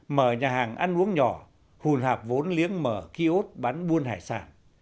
mở nhà hàng ăn uống nhỏ hùn hạp vốn liếng mở kiosk bán buôn hải sản